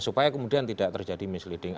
supaya kemudian tidak terjadi misleading